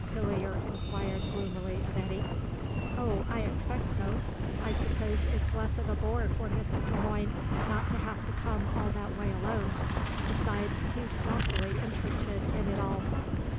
Hillier inquired gloomily of Eddy. "Oh, I expect so. I suppose it's less of a bore for Mrs. Le Moine not to have to come all that way alone. Besides, he's awfully interested in it all."